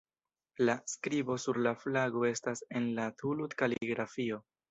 La skribo sur la flago estas en la Thuluth-kaligrafio.